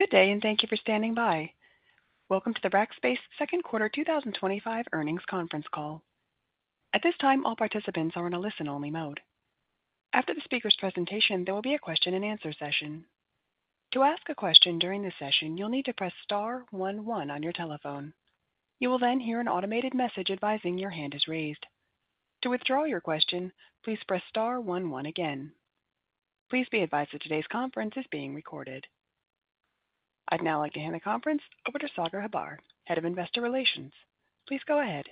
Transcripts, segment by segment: Good day and thank you for standing by. Welcome to the Rackspace Second Quarter 2025 Earnings Conference Call. At this time, all participants are in a listen-only mode. After the speaker's presentation, there will be a question and answer session. To ask a question during this session, you'll need to press star one one on your telephone. You will then hear an automated message advising your hand is raised. To withdraw your question, please press star one one again. Please be advised that today's conference is being recorded. I'd now like to hand the conference over to Sagar Hebbar, Head of Investor Relations. Please go ahead.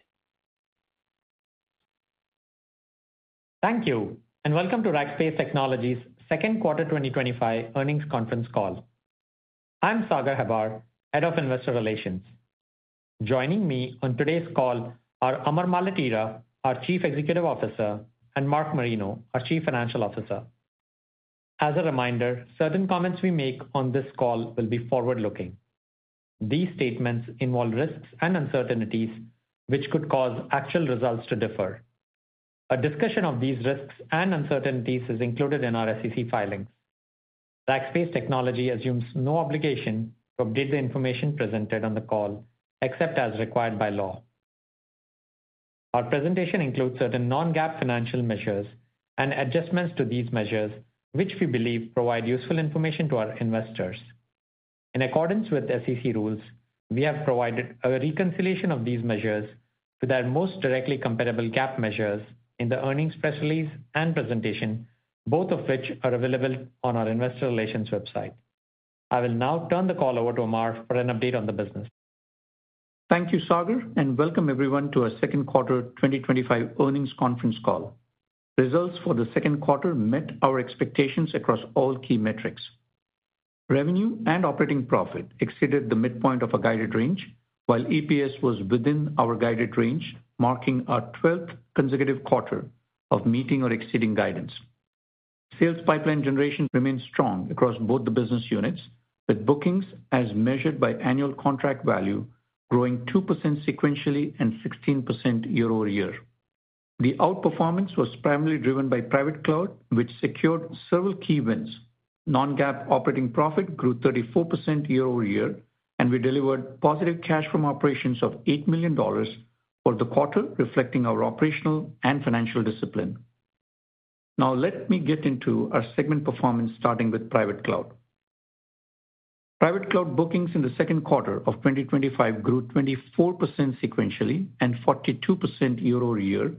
Thank you and welcome to Rackspace Technology's Second Quarter 2025 Earnings Conference Call. I'm Sagar Hebbar, Head of Investor Relations. Joining me on today's call are Amar Maletira, our Chief Executive Officer, and Mark Marino, our Chief Financial Officer. As a reminder, certain comments we make on this call will be forward looking. These statements involve risks and uncertainties which could cause actual results to differ. A discussion of these risks and uncertainties is included in our SEC filing. Rackspace Technology assumes no obligation to update the information presented on the call except as required by law. Our presentation includes certain non-GAAP financial measures and adjustments to these measures, which we believe provide useful information to our investors. In accordance with SEC rules, we have provided a reconciliation of these measures to their most directly comparable GAAP measures in the earnings specialties and presentation, both of which are available on our Investor Relations website. I will now turn the call over to Amar for an update on the business. Thank you, Sagar, and welcome everyone to our Second Quarter 2025 Earnings Conference Call. Results for the second quarter met our expectations across all key metrics. Revenue and operating profit exceeded the midpoint of a guided range, while EPS was within our guided range, marking our 12th consecutive quarter of meeting or exceeding guidance. Sales pipeline generation remains strong across both the business units, with bookings, as measured by annual contract value, growing 2% sequentially and 16% year-over-year. The outperformance was primarily driven by private cloud, which secured several key wins. Non-GAAP operating profit grew 34% year-over-year, and we delivered positive cash from operations of $8 million for the quarter, reflecting our operational and financial discipline. Now let me get into our segment performance, starting with private cloud. Private cloud bookings in the second quarter of 2025 grew 24% sequentially and 42% year-over-year,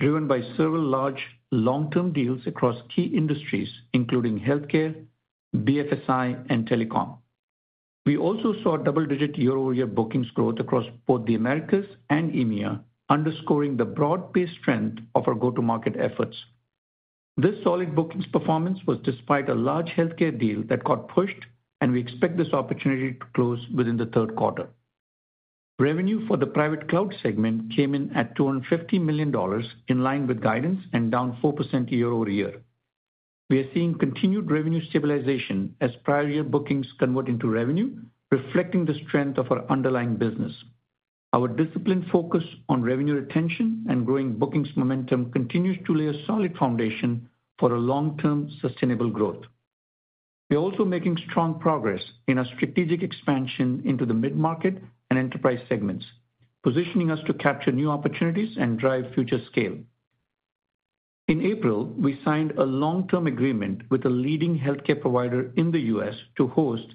driven by several large long-term deals across key industries, including healthcare, BFSI, and telco. We also saw double-digit year-over-year bookings growth across both the Americas and EMEA, underscoring the broad-based strength of our go-to-market efforts. This solid bookings performance was despite a large healthcare deal that got pushed, and we expect this opportunity to close within the third quarter. Revenue for the private cloud segment came in at $250 million, in line with guidance and down 4% year-over-year. We are seeing continued revenue stabilization as prior year bookings convert into revenue, reflecting the strength of our underlying business. Our disciplined focus on revenue retention and growing bookings momentum continues to lay a solid foundation for long-term sustainable growth. We are also making strong progress in our strategic expansion into the mid-market and enterprise segments, positioning us to capture new opportunities and drive future scale. In April, we signed a long-term agreement with a leading healthcare provider in the U.S. to host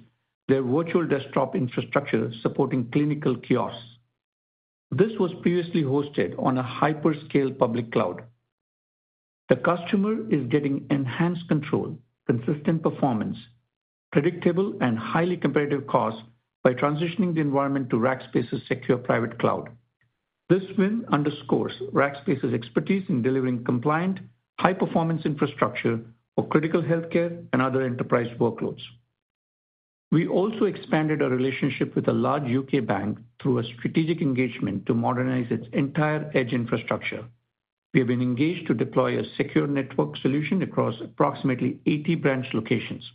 their virtual desktop infrastructure supporting clinical kiosks. This was previously hosted on a hyperscale public cloud. The customer is getting enhanced control, consistent performance, predictable, and highly competitive costs by transitioning the environment to Rackspace's secure private cloud. This win underscores Rackspace's expertise in delivering compliant, high-performance infrastructure for critical healthcare and other enterprise workloads. We also expanded our relationship with a large UK bank through a strategic engagement to modernize its entire edge infrastructure. We have been engaged to deploy a secure network solution across approximately 80 branch locations.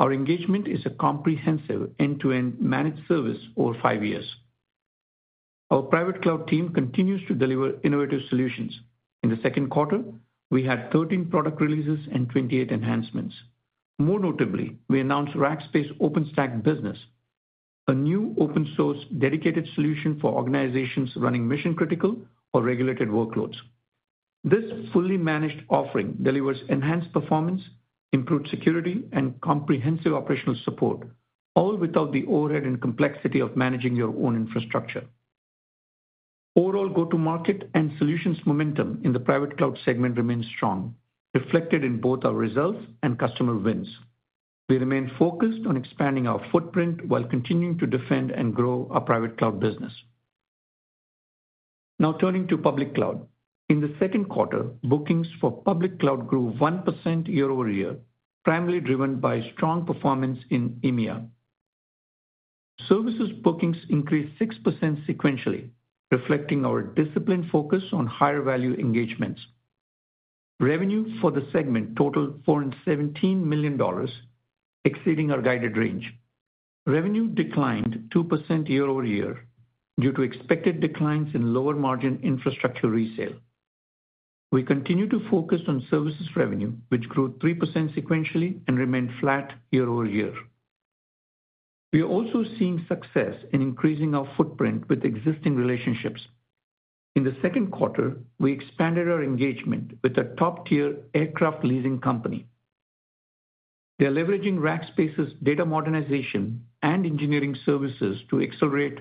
Our engagement is a comprehensive end-to-end managed service over five years. Our private cloud team continues to deliver innovative solutions. In the second quarter, we had 13 product releases and 28 enhancements. More notably, we announced Rackspace OpenStack Business, a new open-source dedicated solution for organizations running mission-critical or regulated workloads. This fully managed offering delivers enhanced performance, improved security, and comprehensive operational support, all without the overhead and complexity of managing your own infrastructure. Overall, go-to-market and solutions momentum in the private cloud segment remains strong, reflected in both our results and customer wins. We remain focused on expanding our footprint while continuing to defend and grow our private cloud business. Now turning to public cloud. In the second quarter, bookings for public cloud grew 1% year-over-year, primarily driven by strong performance in EMEA. Services bookings increased 6% sequentially, reflecting our disciplined focus on higher value engagements. Revenue for the segment totaled $417 million, exceeding our guided range. Revenue declined 2% year-over-year due to expected declines in lower margin infrastructure resale. We continue to focus on services revenue, which grew 3% sequentially and remained flat year-over-year. We are also seeing success in increasing our footprint with existing relationships. In the second quarter, we expanded our engagement with a top-tier aircraft leasing company. They are leveraging Rackspace Technology's data modernization and engineering services to accelerate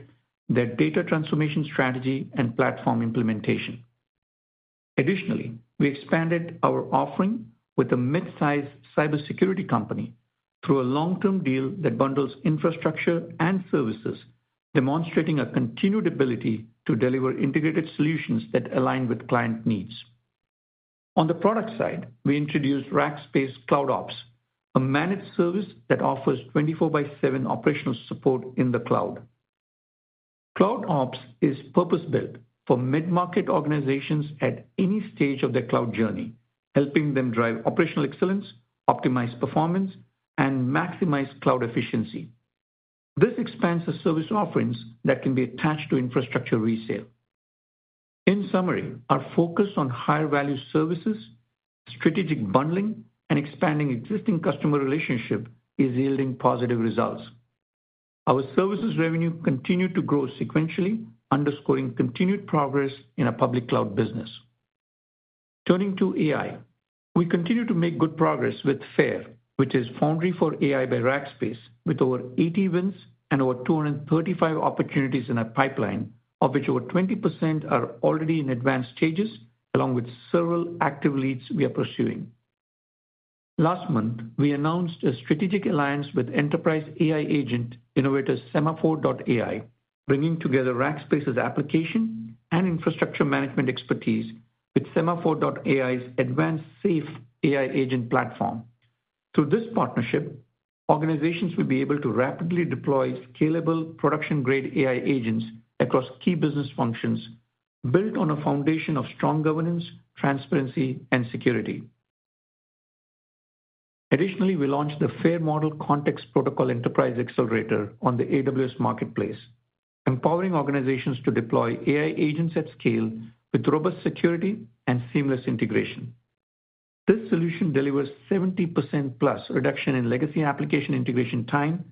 their data transformation strategy and platform implementation. Additionally, we expanded our offering with a mid-sized cybersecurity company through a long-term deal that bundles infrastructure and services, demonstrating a continued ability to deliver integrated solutions that align with client needs. On the product side, we introduced Rackspace CloudOps, a managed service that offers 24/7 operational support in the cloud. CloudOps is purpose-built for mid-market organizations at any stage of their cloud journey, helping them drive operational excellence, optimize performance, and maximize cloud efficiency. This expands the service offerings that can be attached to infrastructure resale. In summary, our focus on higher value services, strategic bundling, and expanding existing customer relationships is yielding positive results. Our services revenue continued to grow sequentially, underscoring continued progress in our public cloud business. Turning to AI, we continue to make good progress with FAIR, which is Foundry for AI by Rackspace, with over 80 wins and over 235 opportunities in our pipeline, of which over 20% are already in advanced stages, along with several active leads we are pursuing. Last month, we announced a strategic alliance with enterprise AI agent innovator Semaphore.ai, bringing together Rackspace's application and infrastructure management expertise with Semaphore.ai's advanced SAFe AI agent platform. Through this partnership, organizations will be able to rapidly deploy scalable production-grade AI agents across key business functions, built on a foundation of strong governance, transparency, and security. Additionally, we launched the FAIR Model Context Protocol Enterprise Accelerator on the AWS Marketplace, empowering organizations to deploy AI agents at scale with robust security and seamless integration. This solution delivers 70% plus reduction in legacy application integration time,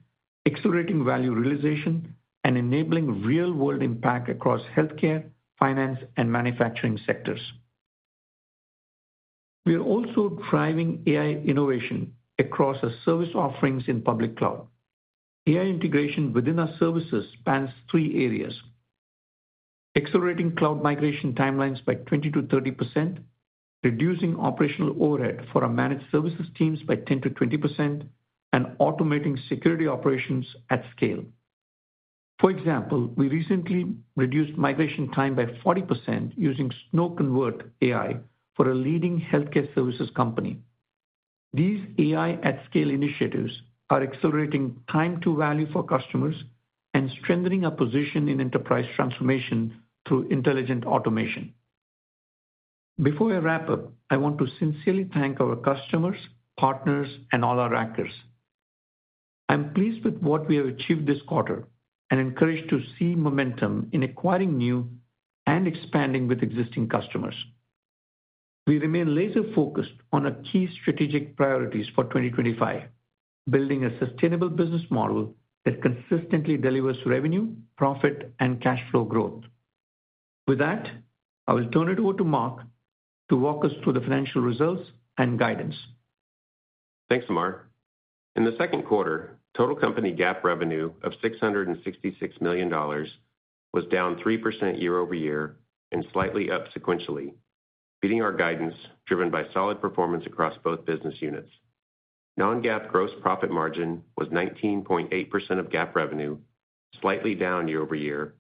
accelerating value realization, and enabling real-world impact across healthcare, finance, and manufacturing sectors. We are also driving AI innovation across our service offerings in public cloud. AI integration within our services spans three areas, accelerating cloud migration timelines by 20%-30%, reducing operational overhead for our managed services teams by 10%- 20%, and automating security operations at scale. For example, we recently reduced migration time by 40% using SnowConvert AI for a leading healthcare services company. These AI at scale initiatives are accelerating time to value for customers and strengthening our position in enterprise transformation through intelligent automation. Before I wrap up, I want to sincerely thank our customers, partners, and all our Rackers. I'm pleased with what we have achieved this quarter and encouraged to see momentum in acquiring new and expanding with existing customers. We remain laser-focused on our key strategic priorities for 2025, building a sustainable business model that consistently delivers revenue, profit, and cash flow growth. With that, I will turn it over to Mark to walk us through the financial results and guidance. Thanks, Amar. In the second quarter, total company GAAP revenue of $666 million was down 3% year-over-year and slightly up sequentially, beating our guidance driven by solid performance across both business units. Non-GAAP gross profit margin was 19.8% of GAAP revenue, slightly down year-over-year,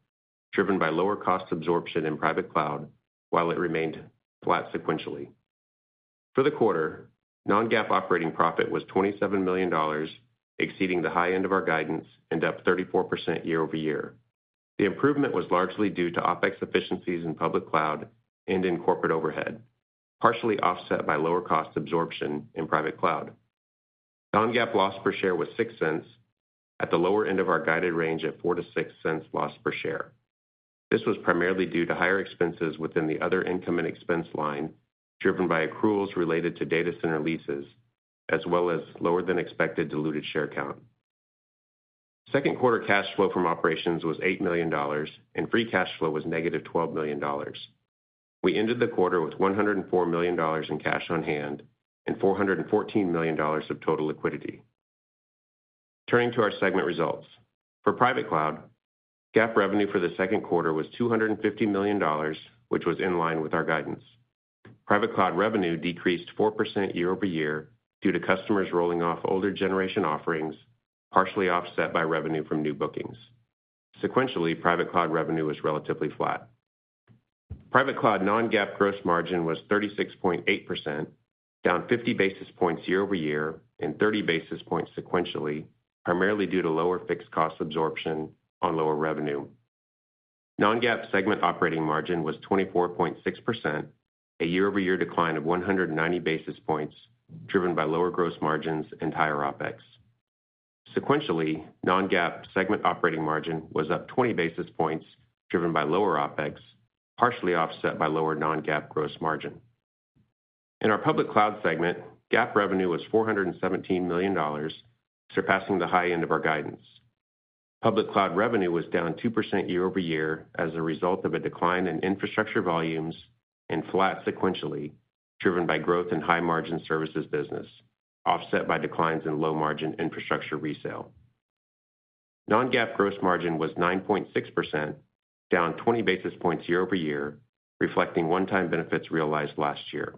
driven by lower cost absorption in Private Cloud, while it remained flat sequentially. For the quarter, non-GAAP operating profit was $27 million, exceeding the high end of our guidance and up 34% year-over-year. The improvement was largely due to OPEX efficiencies in Public Cloud and in corporate overhead, partially offset by lower cost absorption in Private Cloud. Non-GAAP loss per share was $0.06 at the lower end of our guided range at $0.04 loss per share. This was primarily due to higher expenses within the other income and expense line, driven by accruals related to data center leases, as well as lower than expected diluted share count. Second quarter cash flow from operations was $8 million, and free cash flow was negative $12 million. We ended the quarter with $104 million in cash on hand and $414 million of total liquidity. Turning to our segment results. For Private Cloud, GAAP revenue for the second quarter was $250 million, which was in line with our guidance. Private Cloud revenue decreased 4% year-over-year due to customers rolling off older generation offerings, partially offset by revenue from new bookings. Sequentially, Private Cloud revenue was relatively flat. Private Cloud non-GAAP gross margin was 36.8%, down 50 basis points year-over-year and 30 basis points sequentially, primarily due to lower fixed cost absorption on lower revenue. Non-GAAP segment operating margin was 24.6%, a year-over-year decline of 190 basis points, driven by lower gross margins and higher OPEX. Sequentially, non-GAAP segment operating margin was up 20 basis points, driven by lower OPEX, partially offset by lower non-GAAP gross margin. In our Public Cloud segment, GAAP revenue was $417 million, surpassing the high end of our guidance. Public Cloud revenue was down 2% year-over-year as a result of a decline in infrastructure volumes and flat sequentially, driven by growth in high margin services business, offset by declines in low margin infrastructure resale. Non-GAAP gross margin was 9.6%, down 20 basis points year-over-year, reflecting one-time benefits realized last year.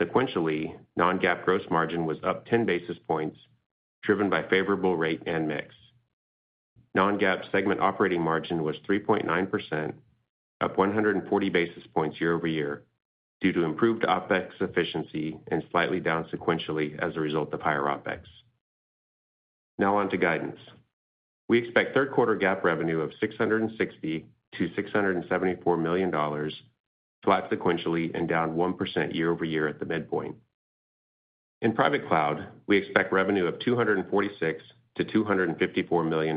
Sequentially, non-GAAP gross margin was up 10 basis points, driven by favorable rate and mix. Non-GAAP segment operating margin was 3.9%, up 140 basis points year-over-year due to improved OpEx efficiency and slightly down sequentially as a result of higher OpEx. Now on to guidance. We expect third quarter GAAP revenue of $660-$674 million, flat sequentially and down 1% year-over-year at the midpoint. In Private Cloud, we expect revenue of $246-$254 million,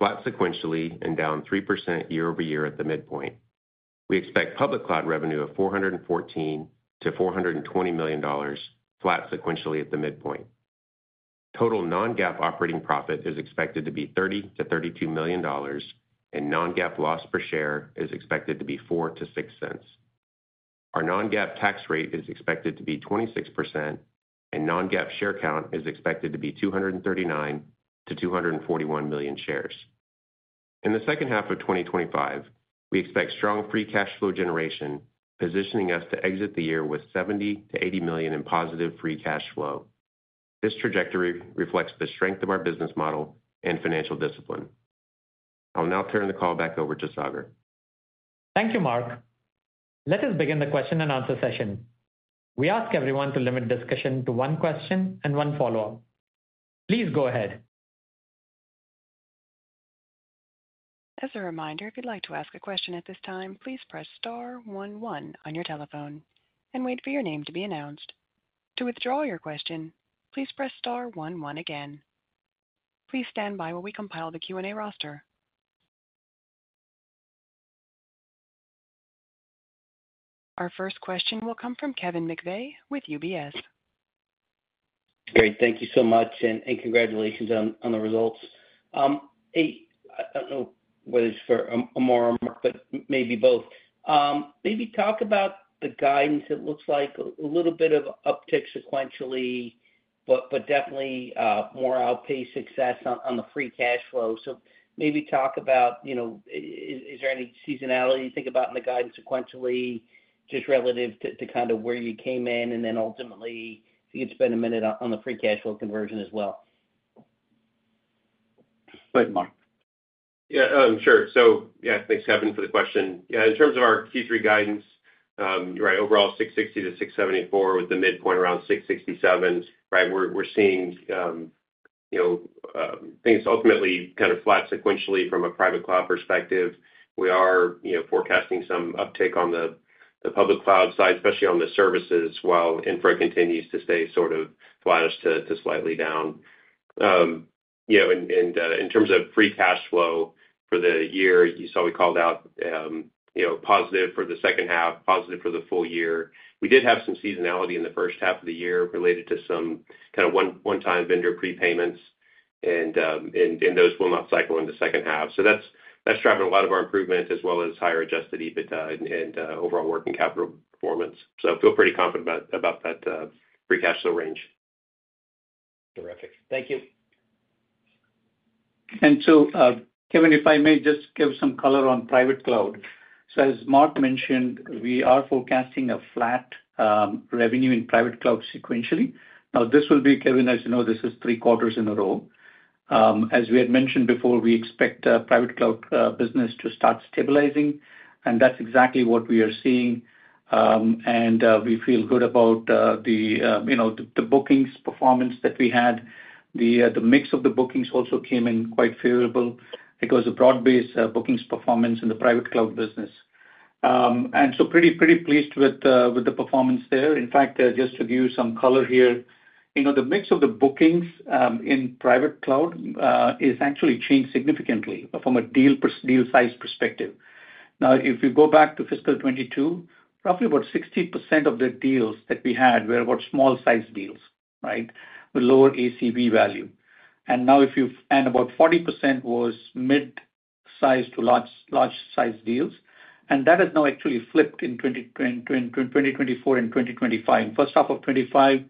flat sequentially and down 3% year-over-year at the midpoint. We expect Public Cloud revenue of $414-$420 million, flat sequentially at the midpoint. Total non-GAAP operating profit is expected to be $30-$32 million, and non-GAAP loss per share is expected to be $0.04-$0.06. Our non-GAAP tax rate is expected to be 26%, and non-GAAP share count is expected to be 239-241 million shares. In the second half of 2025, we expect strong free cash flow generation, positioning us to exit the year with $70-$80 million in positive free cash flow. This trajectory reflects the strength of our business model and financial discipline. I'll now turn the call back over to Sagar. Thank you, Mark. Let us begin the question and answer session. We ask everyone to limit discussion to one question and one follow-up. Please go ahead. As a reminder, if you'd like to ask a question at this time, please press star one one on your telephone and wait for your name to be announced. To withdraw your question, please press star one one again. Please stand by while we compile the Q&A roster. Our first question will come from Kevin McVeigh with UBS. Great, thank you so much, and congratulations on the results. I don't know whether it's for Amar or Mark, but maybe both. Maybe talk about the guidance. It looks like a little bit of uptick sequentially, but definitely more outpaced success on the free cash flow. Maybe talk about, you know, is there any seasonality you think about in the guidance sequentially, just relative to kind of where you came in, and then ultimately you'd spend a minute on the free cash flow conversion as well. Thanks, Mark. Yeah, sure. Thanks, Kevin, for the question. In terms of our Q3 guidance, you're right, overall $660-$674 million, with the midpoint around $667 million. We're seeing things ultimately kind of flat sequentially from a private cloud perspective. We are forecasting some uptick on the public cloud side, especially on the services, while infra continues to stay sort of flattish to slightly down. In terms of free cash flow for the year, you saw we called out positive for the second half, positive for the full year. We did have some seasonality in the first half of the year related to some kind of one-time vendor prepayments and in those one-off cycles in the second half. That's driving a lot of our improvement, as well as higher adjusted EBITDA and overall working capital performance. I feel pretty confident about that free cash flow range. Terrific. Thank you. Kevin, if I may just give some color on private cloud. As Mark mentioned, we are forecasting a flat revenue in private cloud sequentially. This will be, as you know, three quarters in a row. As we had mentioned before, we expect private cloud business to start stabilizing, and that's exactly what we are seeing. We feel good about the bookings performance that we had. The mix of the bookings also came in quite favorable. It was a broad-based bookings performance in the private cloud business. Pretty pleased with the performance there. Just to give you some color here, the mix of the bookings in private cloud has actually changed significantly from a deal size perspective. If we go back to fiscal 2022, probably about 60% of the deals that we had were small size deals with lower ACV value, and about 40% was mid-size to large size deals. That has now actually flipped in 2024 and 2025. First half of 2025,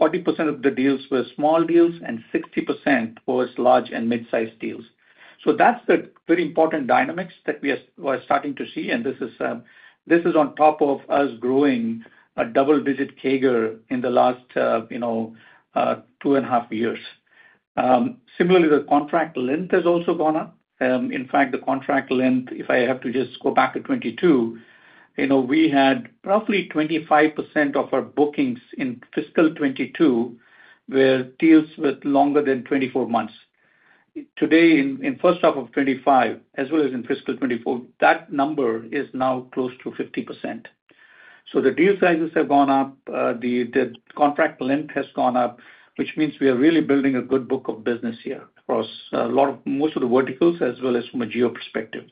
40% of the deals were small deals and 60% was large and mid-size deals. That's the very important dynamics that we are starting to see. This is on top of us growing a double-digit CAGR in the last two and a half years. Similarly, the contract length has also gone up. In fact, the contract length, if I have to just go back to 2022, we had roughly 25% of our bookings in fiscal 2022 as deals with longer than 24 months. Today, in the first half of 2025, as well as in fiscal 2024, that number is now close to 50%. The deal sizes have gone up. The contract length has gone up, which means we are really building a good book of business here across most of the verticals, as well as from a geo perspective.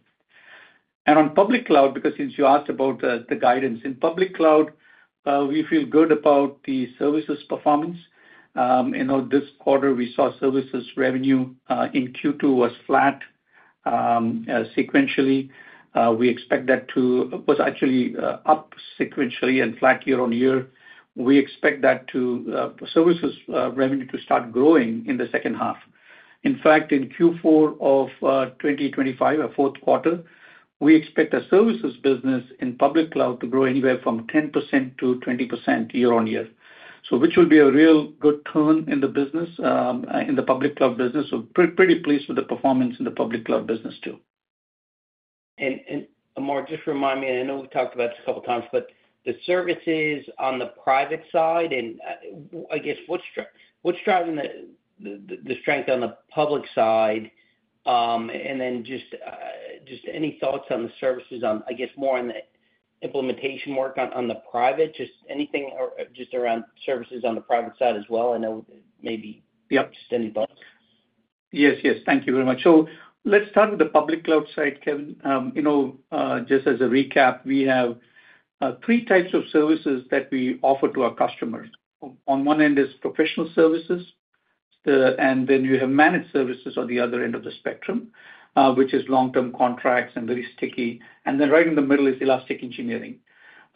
On public cloud, since you asked about the guidance, in public cloud, we feel good about the services performance. This quarter we saw services revenue in Q2 was flat sequentially. We expect that to—it was actually up sequentially and flat year on year. We expect that services revenue to start growing in the second half. In Q4 of 2025, our fourth quarter, we expect our services business in public cloud to grow anywhere from 10%-20% year-on-year, which will be a real good turn in the business, in the public cloud business. Pretty pleased with the performance in the public cloud business too. Amar, just remind me, I know we talked about this a couple of times, but the services on the private side, and I guess what's driving the strength on the public side? Any thoughts on the services, more on the implementation work on the private, just anything around services on the private side as well? I know, yeah, just any thoughts. Yes, yes, thank you very much. Let's start with the public cloud side, Kevin. You know, just as a recap, we have three types of services that we offer to our customers. On one end is professional services, and then you have managed services on the other end of the spectrum, which is long-term contracts and very sticky. Right in the middle is elastic engineering.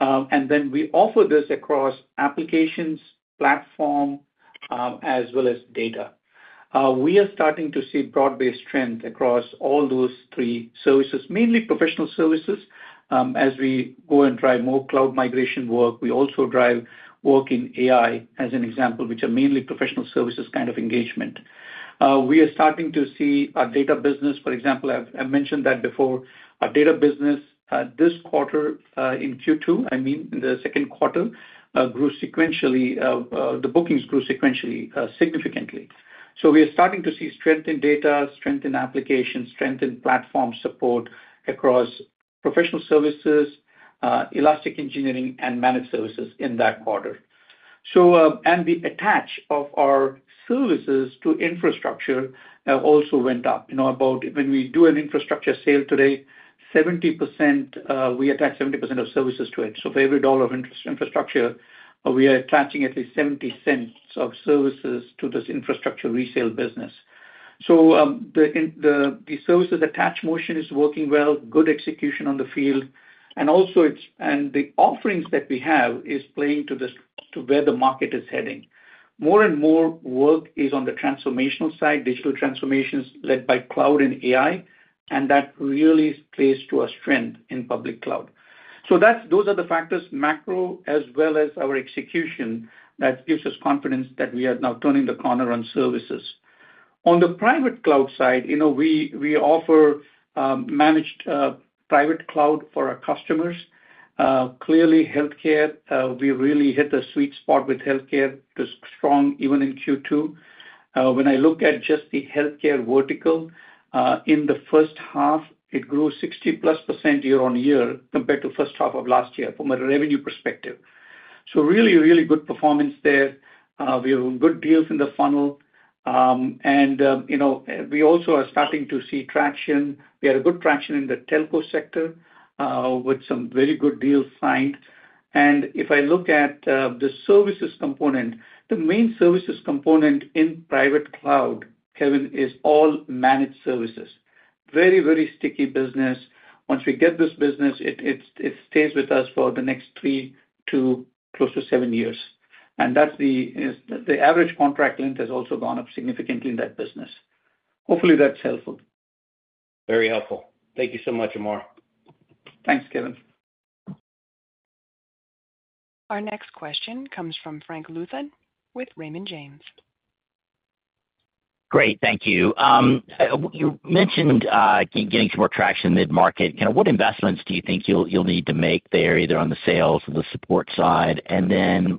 We offer this across applications, platform, as well as data. We are starting to see broad-based strength across all those three services, mainly professional services. As we go and drive more cloud migration work, we also drive work in AI as an example, which are mainly professional services kind of engagement. We are starting to see our data business, for example, I've mentioned that before, our data business this quarter in Q2, I mean, in the second quarter, grew sequentially. The bookings grew sequentially significantly. We are starting to see strength in data, strength in applications, strength in platform support across professional services, elastic engineering, and managed services in that quarter. The attach of our services to infrastructure also went up. About when we do an infrastructure sale today, 70%, we attach 70% of services to it. For every dollar of infrastructure, we are attaching at least $0.70 of services to this infrastructure resale business. The services attach motion is working well, good execution on the field. The offerings that we have are playing to where the market is heading. More and more work is on the transformational side, digital transformations led by cloud and AI, and that really plays to our strength in public cloud. Those are the factors, macro as well as our execution, that gives us confidence that we are now turning the corner on services. On the private cloud side, you know, we offer managed private cloud for our customers. Clearly, healthcare, we really hit the sweet spot with healthcare, just strong even in Q2. When I look at just the healthcare vertical, in the first half, it grew 60+% year on year compared to the first half of last year from a revenue perspective. Really, really good performance there. We have good deals in the funnel. We also are starting to see traction. We had good traction in the telco sector with some very good deals signed. If I look at the services component, the main services component in private cloud, Kevin, is all managed services. Very, very sticky business. Once we get this business, it stays with us for the next three to close to seven years. The average contract length has also gone up significantly in that business. Hopefully, that's helpful. Very helpful. Thank you so much, Amar. Thanks, Kevin. Our next question comes from Frank Louthan with Raymond James. Great, thank you. You mentioned getting some more traction in the mid-market. What investments do you think you'll need to make there, either on the sales or the support side?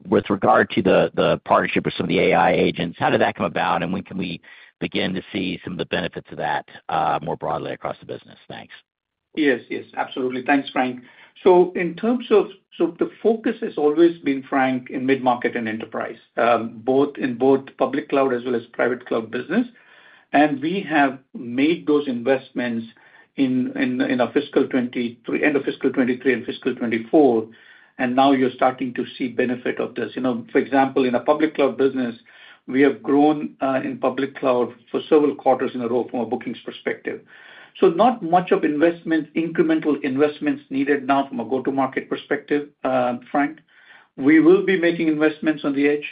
With regard to the partnership with some of the AI agent solutions, how did that come about? When can we begin to see some of the benefits of that more broadly across the business? Thanks. Yes, yes, absolutely. Thanks, Frank. In terms of the focus, it has always been, Frank, in mid-market and enterprise, both in public cloud as well as private cloud business. We have made those investments at the end of fiscal 2023 and fiscal 2024, and now you're starting to see benefit of this. For example, in the public cloud business, we have grown in public cloud for several quarters in a row from a bookings perspective. Not much of incremental investments needed now from a go-to-market perspective, Frank. We will be making investments on the edge.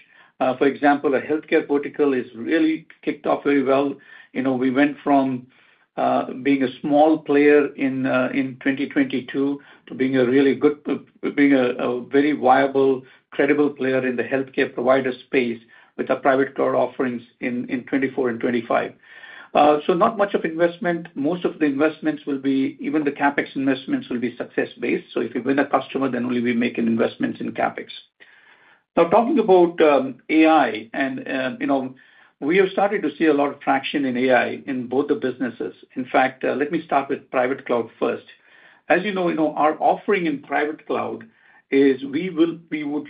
For example, the healthcare vertical has really kicked off very well. We went from being a small player in 2022 to being a very viable, credible player in the healthcare provider space with our private cloud offerings in 2024 and 2025. Not much of investment. Most of the investments will be, even the CapEx investments will be success-based. If you win a customer, then only we make investments in CapEx. Now, talking about AI, we have started to see a lot of traction in AI in both the businesses. In fact, let me start with private cloud first. As you know, our offering in private cloud is we will, we would,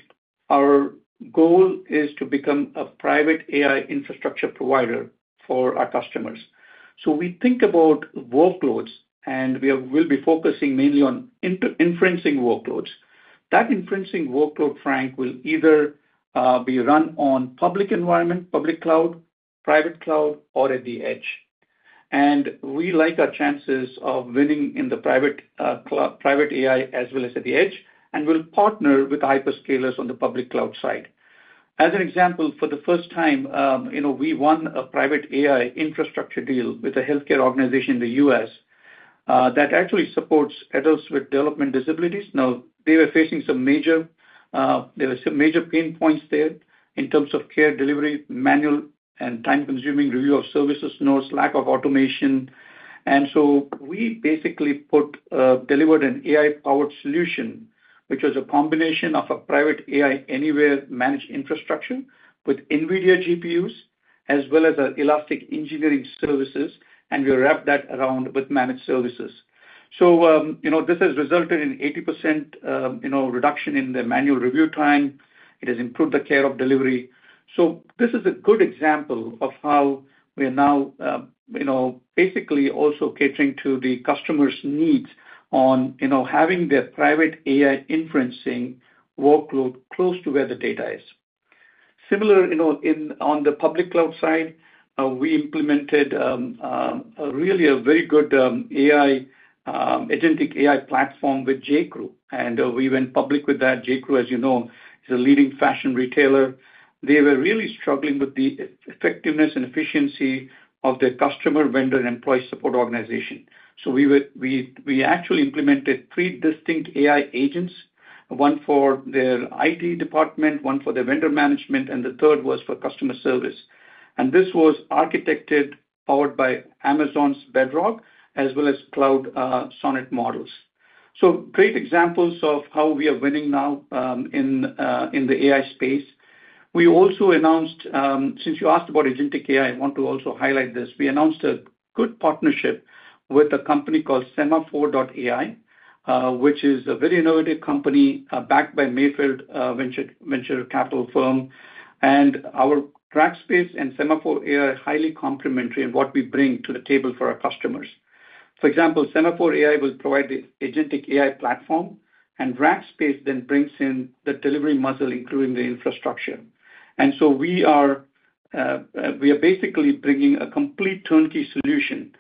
our goal is to become a private AI infrastructure provider for our customers. We think about workloads, and we will be focusing mainly on inferencing workloads. That inferencing workload, Frank, will either be run on public environment, public cloud, private cloud, or at the edge. We like our chances of winning in the private AI as well as at the edge, and we'll partner with hyperscalers on the public cloud side. As an example, for the first time, we won a private AI infrastructure deal with a healthcare organization in the U.S. that actually supports adults with developmental disabilities. They were facing some major, there were some major pain points there in terms of care delivery, manual and time-consuming review of services notes, lack of automation. We basically delivered an AI-powered solution, which was a combination of a private AI anywhere managed infrastructure with NVIDIA GPUs, as well as our elastic engineering services, and we wrapped that around with managed services. This has resulted in an 80% reduction in the manual review time. It has improved the care of delivery. This is a good example of how we are now basically also catering to the customer's needs on having their private AI inferencing workload close to where the data is. Similar, on the public cloud side, we implemented really a very good agentic AI platform with J.Crew, and we went public with that. J.Crew, as you know, is a leading fashion retailer. They were really struggling with the effectiveness and efficiency of their customer, vendor, and employee support organization. We actually implemented three distinct AI agents, one for their IT department, one for their vendor management, and the third was for customer service. This was architected by Amazon's Bedrock, as well as Cloud Sonnet models. Great examples of how we are winning now in the AI space. We also announced, since you asked about agentic AI, I want to also highlight this, we announced a good partnership with a company called Semaphore.ai, which is a very innovative company backed by Mayfield Venture Capital firm. Rackspace and Semaphore.ai are highly complementary in what we bring to the table for our customers. For example, Semaphore.ai will provide the agentic AI platform, and Rackspace then brings in the delivery muscle, including the infrastructure. We are basically bringing a complete turnkey solution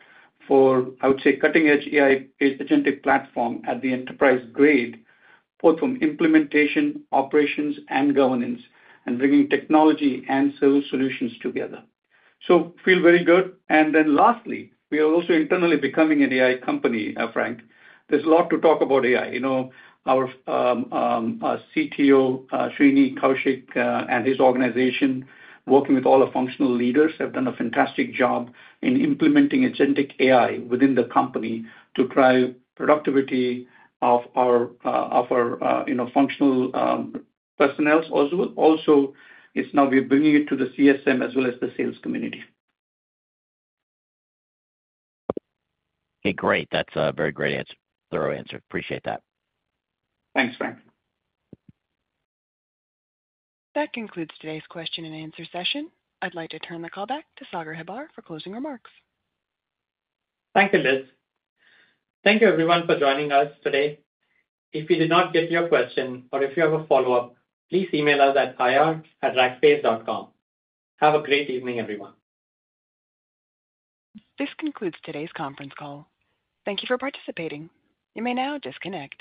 for, I would say, cutting-edge AI agentic platform at the enterprise grade, both from implementation, operations, and governance, and bringing technology and service solutions together. I feel very good. Lastly, we are also internally becoming an AI company, Frank. There's a lot to talk about AI. Our CTO, Srini, and his organization, working with all our functional leaders, have done a fantastic job in implementing agentic AI within the company to drive productivity of our functional personnels. Also, now we're bringing it to the CSM as well as the sales community. Okay, great. That's a very great answer, thorough answer. Appreciate that. Thanks, Frank. That concludes today's question and answer session. I'd like to turn the call back to Sagar Hebbar for closing remarks. Thank you, Liz. Thank you, everyone, for joining us today. If you did not get your question or if you have a follow-up, please email us at ir@rackspace.com. Have a great evening, everyone. This concludes today's conference call. Thank you for participating. You may now disconnect.